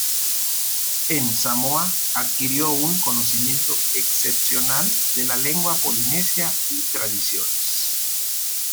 En Samoa, adquirió un conocimiento excepcional de la lengua polinesia y tradiciones.